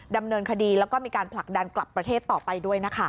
ดำเนินคดีแล้วก็มีการผลักดันกลับประเทศต่อไปด้วยนะคะ